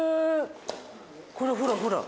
これほらほら。